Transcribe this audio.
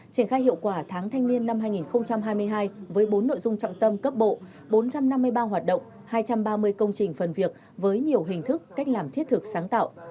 triển khai hiệu quả tháng thanh niên năm hai nghìn hai mươi hai với bốn nội dung trọng tâm cấp bộ bốn trăm năm mươi ba hoạt động hai trăm ba mươi công trình phần việc với nhiều hình thức cách làm thiết thực sáng tạo